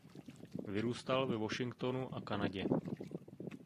Vyrůstal ve Washingtonu a Kanadě.